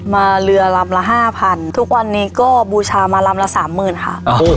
มาเรือลำละ๕๐๐๐บาททุกวันนี้ก็บูชามาลำละ๓๐๐๐๐บาทค่ะ